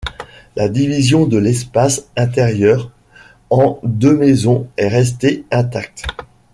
La division de l'espace intérieur en deux maisons est restée intacte.